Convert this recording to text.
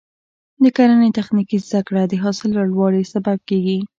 د کرنې تخنیکي زده کړه د حاصل لوړوالي سبب کېږي.